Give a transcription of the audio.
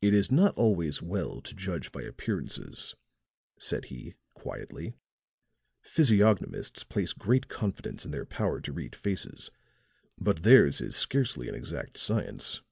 "It is not always well to judge by appearances," said he, quietly. "Physiognomists place great confidence in their power to read faces; but theirs is scarcely an exact science."